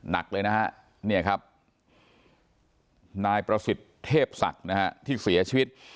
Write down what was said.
นี่ครับนายประสิทธิ์เทพศักดิ์ที่เสียชีวิต